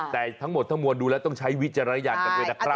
แต่ทั้งหมดทั้งมวลดูแล้วต้องใช้วิจารณญาณกันด้วยนะครับ